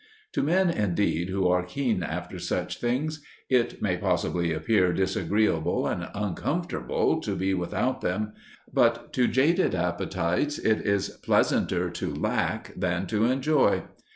To men indeed who are keen after such things it may possibly appear disagreeable and uncomfortable to be without them; but to jaded appetites it is pleasanter to lack than to enjoy.